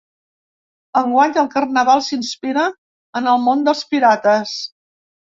Enguany el carnaval s’inspira en el món dels pirates.